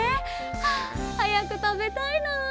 ああはやくたべたいなあ。